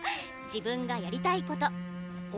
自分がやりたいこと。